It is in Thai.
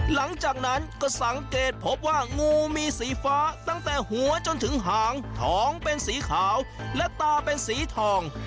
หลังจากนั้นก็สังเกตพบว่างูมีสีฟ้าตั้งแต่หัวจนถึงหางท้องเป็นสีขาวและตาเป็นสีทอง